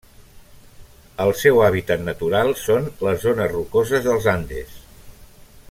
El seu hàbitat natural són les zones rocoses dels Andes.